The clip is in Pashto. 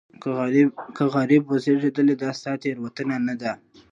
که غریب وزېږېدلې دا ستا تېروتنه نه ده.